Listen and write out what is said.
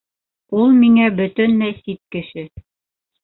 Ул миңә бәтөнләй сит кеше